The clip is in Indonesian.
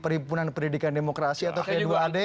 perhimpunan pendidikan demokrasi atau p dua ad